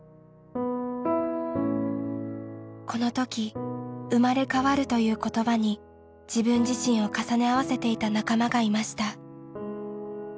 この時「生まれ変わる」という言葉に自分自身を重ね合わせていた仲間がいました。